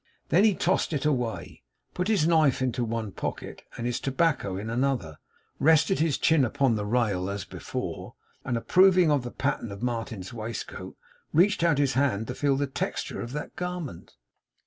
Then he tossed it away; put his knife into one pocket and his tobacco into another; rested his chin upon the rail as before; and approving of the pattern on Martin's waistcoat, reached out his hand to feel the texture of that garment.